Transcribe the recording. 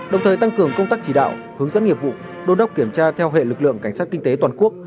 đồng thời tăng cường công tác chỉ đạo hướng dẫn nghiệp vụ đô đốc kiểm tra theo hệ lực lượng cảnh sát kinh tế toàn quốc